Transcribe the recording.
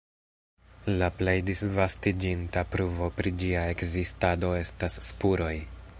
La plej disvastiĝinta pruvo pri ĝia ekzistado estas spuroj.